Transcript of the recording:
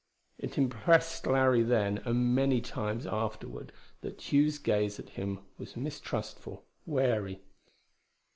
It impressed Larry then, and many times afterward, that Tugh's gaze at him was mistrustful, wary.